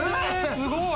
すごい！